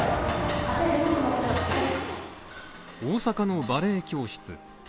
大阪のバレエ教室。